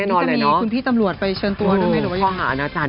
อันนี้กลัวค่ะกลัวค่ะ